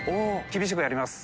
厳しくやります。